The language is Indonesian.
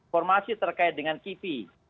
formasi terkait dengan kivi